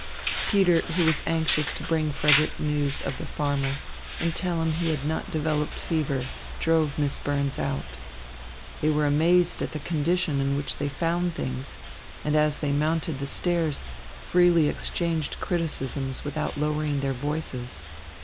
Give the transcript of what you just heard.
Peter, who was anxious to bring Frederick news of the farmer and tell him he had not developed fever, drove Miss Burns out. They were amazed at the condition in which they found things, and, as they mounted the stairs, freely exchanged criticisms without lowering their voices.